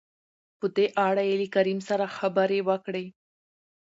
په دې اړه يې له کريم سره خبرې وکړې.